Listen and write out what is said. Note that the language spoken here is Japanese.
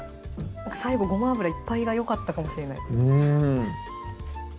最後ごま油いっぱいがよかったかもしれないうん